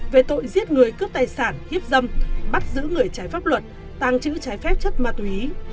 về tội giết người cướp tài sản hiếp dâm bắt giữ người trái pháp luật tăng trữ trái phép chất ma túy